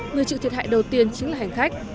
người chịu thiệt hại đầu tiên chính là hành khách